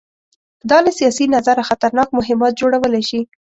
دا له سیاسي نظره خطرناک مهمات جوړولی شي.